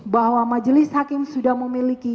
bahwa majelis hakim sudah memiliki